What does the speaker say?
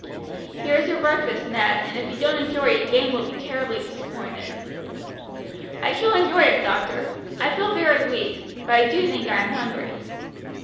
"Here is your breakfast, Ned, and if you don't enjoy it Jane will be terribly disappointed." "I shall enjoy it, doctor. I feel very weak; but I do think I am hungry."